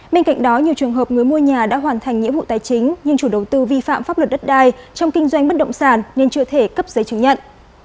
bên cạnh đó nhiều trường hợp người mua nhà đã hoàn thành nghĩa vụ tài chính nhưng chủ đầu tư vi phạm pháp luật đất đai trong kinh doanh bất động sản nên chưa thể cấp giấy chứng nhận